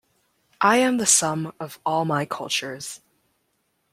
I am the sum of all my cultures.